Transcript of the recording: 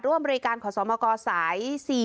ร่วมบริการขอสมกสาย๔๔